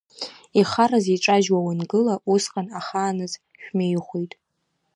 Ихараз иҿажьуа уангыла, усҟан ахааназ шәмеихәеит.